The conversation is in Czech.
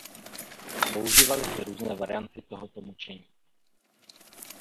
Používaly se různé varianty tohoto mučení.